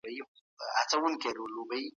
دي مجلس به د دولتي بانکونو راپورونه اورېدلي وي.